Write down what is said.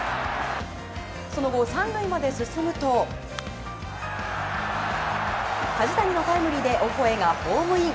その後、３塁まで進むと梶谷のタイムリーでオコエがホームイン。